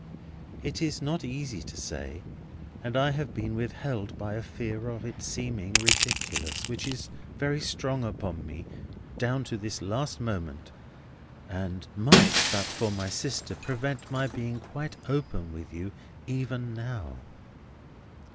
It is not easy to say, and I have been withheld by a fear of its seeming ridiculous, which is very strong upon me down to this last moment, and might, but for my sister, prevent my being quite open with you even now.